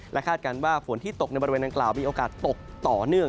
คาดการณ์ว่าฝนที่ตกในบริเวณดังกล่าวมีโอกาสตกต่อเนื่อง